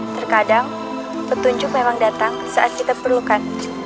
terkadang petunjuk memang datang saat kita perlukan